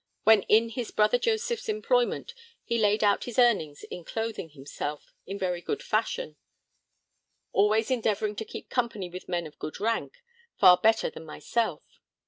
When in his brother Joseph's employment, he laid out his earnings in clothing himself 'in very good fashion, always endeavouring to keep company with men of good rank, far better than myself.'